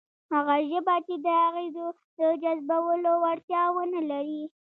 هغه ژبه چې د اغېزو د جذبولو وړتیا ونه لري،